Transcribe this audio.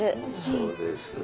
そうですね。